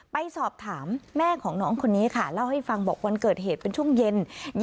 ไปสอบถามแม่ของน้องคนนี้ค่ะเล่าให้ฟังบอกวันเกิดเหตุเป็นช่วงเย็น